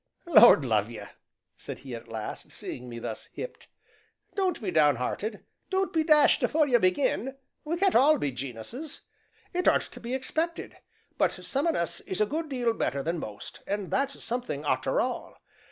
"Lord love you!" said he at last, seeing me thus "hipped" "don't be downhearted don't be dashed afore you begin; we can't all be gen'uses it aren't to be expected, but some on us is a good deal better than most and that's something arter all.